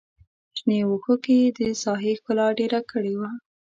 شنې وښکې د ساحې ښکلا ډېره کړې وه.